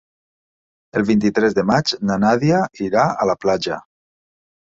El vint-i-tres de maig na Nàdia irà a la platja.